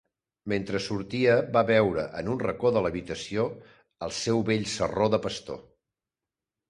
Mentre sortia, va veure, en un racó de l'habitació, el seu vell sarró de pastor.